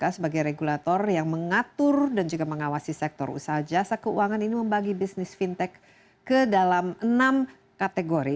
pemerintah sebagai regulator yang mengatur dan juga mengawasi sektor usaha jasa keuangan ini membagi bisnis fintech ke dalam enam kategori